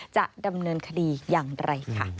จะดำเนินคดีอย่างไรค่ะ